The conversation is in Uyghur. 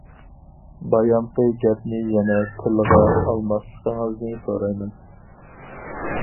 بايامقى گەپنى يەنە تىلغا ئالماسلىقىڭىزنى سورايمەن.